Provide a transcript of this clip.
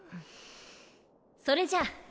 それじゃあ。